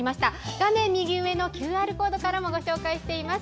画面右上のＱＲコードからもご紹介しています。